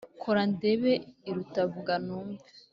Ko kora ndebe iruta vuga numve?